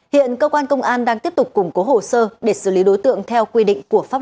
hiện cơ quan công an đang tiếp tục củng cố hồ sơ để xử lý đối tượng theo quy định của pháp